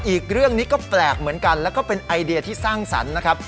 อีกเรื่องนี้ก็แปลกเหมือนกันแล้วก็เป็นไอเดียที่สร้างสรรค์นะครับ